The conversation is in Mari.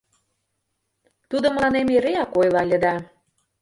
Тудо мыланем эреак ойла ыле да...